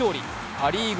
パ・リーグ